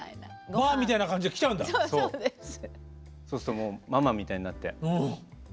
そうするともうママみたいになってスナックの。